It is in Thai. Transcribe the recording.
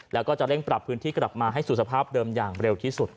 แล้วก็จะเร่งปรับพื้นที่กลับมาให้สู่สภาพเดิมอย่างเร็วที่สุด